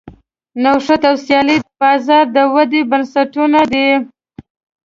نوښت او سیالي د بازار د ودې بنسټونه دي.